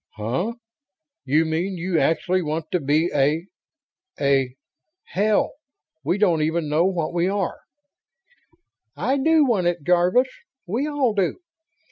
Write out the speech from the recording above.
"Huh? You mean you actually want to be a ... a ... hell, we don't even know what we are!" "I do want it, Jarvis. We all do."